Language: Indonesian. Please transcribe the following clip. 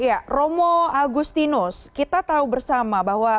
ya romo agustinus kita tahu bersama bahwa